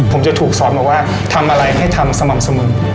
ผมจะถูกสอนบอกว่าทำอะไรให้ทำสม่ำเสมอ